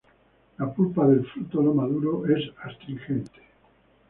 La pulpa del fruto no maduro es astringente.